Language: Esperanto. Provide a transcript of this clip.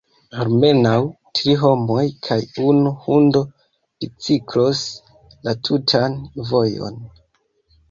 Almenaŭ tri homoj kaj unu hundo biciklos la tutan vojon.